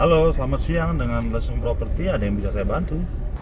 halo selamat siang dengan lesung property ada yang bisa saya bantu